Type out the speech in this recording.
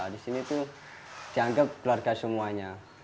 di sini itu dianggap keluarga semuanya